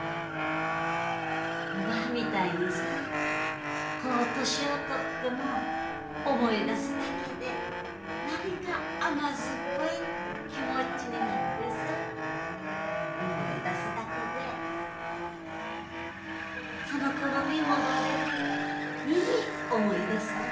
おばぁみたいにさ年をとっても思い出すだけで何か甘酸っぱい気持ちになってさ思い出すだけでそのころに戻れるいい思い出さぁ。